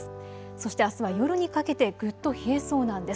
そしてあすは夜にかけてぐっと冷えそうなんです。